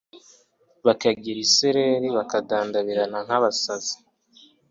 bakagira isereri bakadandabirana nk’abasinzi